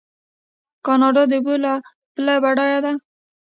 کاناډا د اوبو له پلوه بډایه ده.